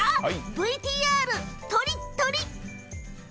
ＶＴＲ、とりっとり！